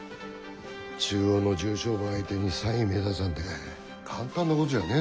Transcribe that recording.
中央の重賞馬相手に３位目指すなんて簡単なことじゃねえぞ。